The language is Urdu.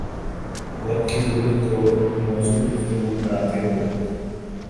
وقت کی ضرورت کو موضوع گفتگو بناتے ہوئے